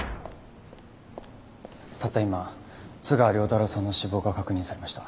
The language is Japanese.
たった今津川亮太郎さんの死亡が確認されました。